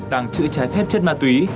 tàng trữ trái phép chất ma túy